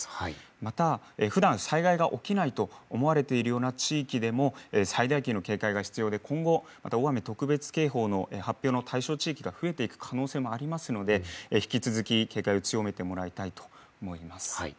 またふだん災害が起きないと思われているような地域でも最大級の警戒が必要で今後、大雨特別警報の発表の対象地域が増えていく可能性もありますので引き続き警戒を強めてもらいたいと思います。